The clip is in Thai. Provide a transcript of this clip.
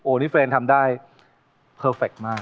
โอลิเฟรนด์ทำได้เพอร์เฟคต์มาก